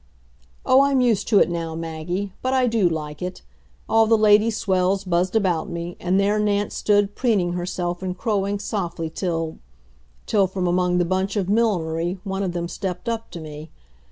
Oh, I'm used to it now, Maggie, but I do like it. All the lady swells buzzed about me, and there Nance stood preening herself and crowing softly till till from among the bunch of millinery one of them stepped up to me.